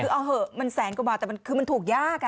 เอาเหอะมันแสนกว่าบาทแต่มันถูกยาก